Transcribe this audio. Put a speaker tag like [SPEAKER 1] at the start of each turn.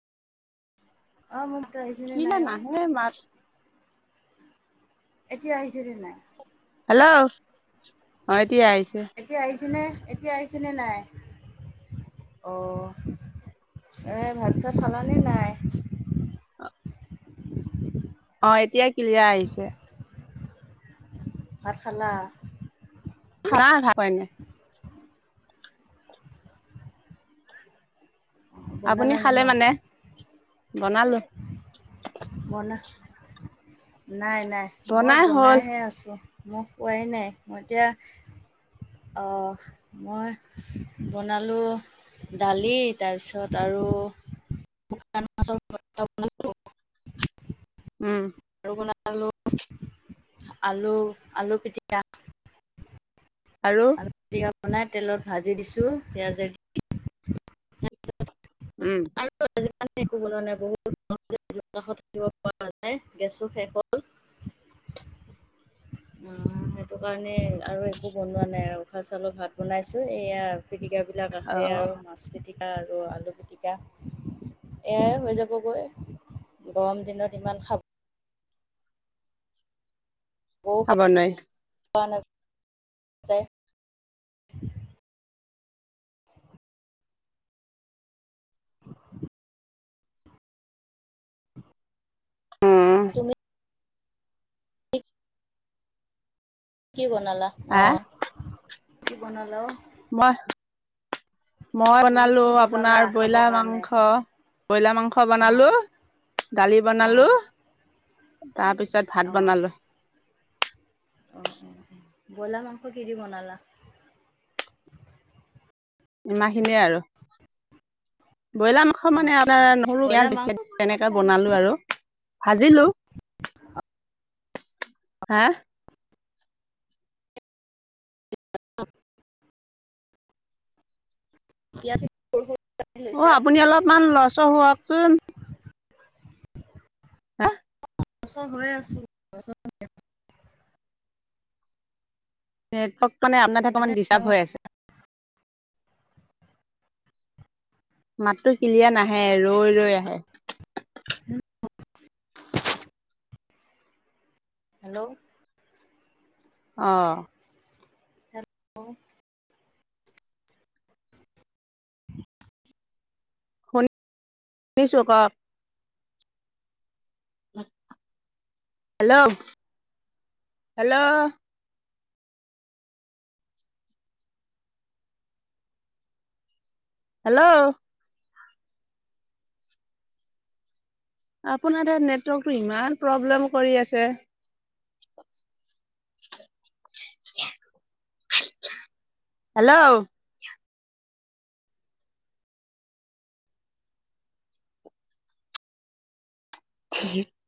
[SPEAKER 1] অ', মোক প্ৰয়জনে
[SPEAKER 2] কিলা
[SPEAKER 1] নাই অ'।
[SPEAKER 2] নাহে মাত
[SPEAKER 1] এতিয়া আহিছিল নাই
[SPEAKER 2] হেল্ল' অ', এতিয়া আহিছে।
[SPEAKER 1] এতিয়া আহিছেনে এতিয়া আহিছেনে নাই। অ', এ ভাত চাত খালানে নাই।
[SPEAKER 2] অ', এতিয়া ক্লিয়াৰ আহিছে।
[SPEAKER 1] ভাত খালা?
[SPEAKER 2] [unintelligible]
[SPEAKER 1] অ
[SPEAKER 2] আপুনি
[SPEAKER 1] বনালা নে
[SPEAKER 2] খালে
[SPEAKER 1] ন
[SPEAKER 2] মানে, বনালো।
[SPEAKER 1] বনা নাই, নাই মই
[SPEAKER 2] বনাই হ'ল
[SPEAKER 1] বনাইহে আছোঁ। মই খোৱাই নাই, মই এতিয়া অ'। মই বনালোঁ দালি, তাৰপিছত আৰু [unintelligible]
[SPEAKER 2] উম।
[SPEAKER 1] আলু বনালো। আলু, আলু পিতিকা।
[SPEAKER 2] আৰু?
[SPEAKER 1] আলু পিতিকা বনাই তেলত ভাজি দিছোঁ পিঁয়াজে দি।
[SPEAKER 2] উম।
[SPEAKER 1] [unintelligible] আৰু একো নাই বহুত থাকিব পৰা যাই গেছো শেষ হ'ল। [inaudible] অ', সেইটো কাৰণে আৰু একো বনোৱা নাই আৰু, উখহা চাউলৰ ভাত বনাইছো এয়া পিটিকা। এই বিলাক
[SPEAKER 2] অ
[SPEAKER 1] আছে আৰু, মাছ পিটিকা আৰু আলু পিটিকা। এয়াই হৈ যাবগৈ, গৰম দিনত ইমান খাব
[SPEAKER 2] খাব নোৱাৰি
[SPEAKER 1] [unintelligible] নাযায় [inaudible]
[SPEAKER 2] উম
[SPEAKER 1] তুমি কি বনালা
[SPEAKER 2] হা
[SPEAKER 1] অ', কি বনালো।
[SPEAKER 2] মই, মই
[SPEAKER 1] বোলো
[SPEAKER 2] বনালো
[SPEAKER 1] কি বনালা
[SPEAKER 2] আপোনাৰ
[SPEAKER 1] খাবৰ
[SPEAKER 2] ব্ৰইলাৰ
[SPEAKER 1] কাৰণে
[SPEAKER 2] মাংস। ব্ৰইলাৰ মাংস
[SPEAKER 1] অ
[SPEAKER 2] বনালো, দালি
[SPEAKER 1] অ
[SPEAKER 2] বনালো তাৰপিছত
[SPEAKER 1] অ
[SPEAKER 2] ভাত বনালো।
[SPEAKER 1] অ', অ', ব্ৰইলাৰ মাংস কি দি বনালা?
[SPEAKER 2] ইমানখিনিয়ে আৰু। ব্ৰইলাৰ মাংস
[SPEAKER 1] অ
[SPEAKER 2] মানে আপোনাৰ নহৰু,
[SPEAKER 1] ব্ৰইলাৰ
[SPEAKER 2] পিয়াজ
[SPEAKER 1] মাংস
[SPEAKER 2] বেছি। তেনেকে বনালো আৰু ভাজিলো, হা।
[SPEAKER 1] [unintelligible] ইয়াতে।
[SPEAKER 2] অ', আপুনি অলপমান লৰ-ছৰ হওকচোন। হা।
[SPEAKER 1] লৰ-চৰ হৈয়ে আছোঁ, লৰ-চৰ।
[SPEAKER 2] নেটৱৰ্ক মানে অপোনাৰ তাত অকমান ডিষ্টাৰ্ব হৈ আছে। মাততো কিলিয়াৰ নাহে ৰৈ, ৰৈ আহে।
[SPEAKER 1] [inaudible] হেল্ল'।
[SPEAKER 2] অ'।
[SPEAKER 1] [unintelligible]
[SPEAKER 2] নিছো কওঁক। Hello, hello. হেল্ল'। আপোনাৰ তাত নেটৱৰ্কতটো ইমান প্ৰব্লেম কৰি আছে। হেল্ল'। [unintelligible]